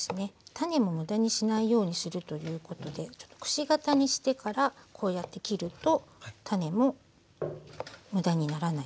種も無駄にしないようにするということでちょっとくし形にしてからこうやって切ると種も無駄にならないですね。